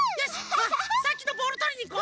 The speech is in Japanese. あさっきのボールとりにいこう。